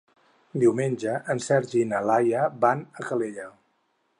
Diumenge en Sergi i na Laia van a Calella.